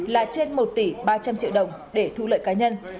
là trên một tỷ ba trăm linh triệu đồng để thu lợi cá nhân